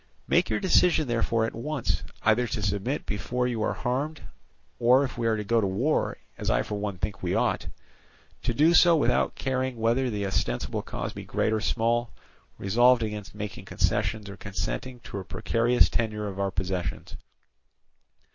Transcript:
Make your decision therefore at once, either to submit before you are harmed, or if we are to go to war, as I for one think we ought, to do so without caring whether the ostensible cause be great or small, resolved against making concessions or consenting to a precarious tenure of our possessions.